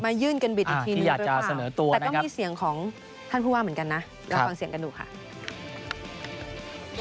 มายื่นเกินบิดอีกทีหนึ่งหรือเปล่าแต่ก็มีเสียงของท่านผู้ว่าเหมือนกันนะเราฟังเสียงกันดูค่ะที่อยากจะเสนอตัว